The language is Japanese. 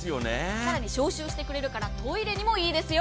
更に消臭してくれるからトイレにもいいですよ。